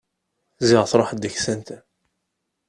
Ziɣ truḥeḍ deg-sent!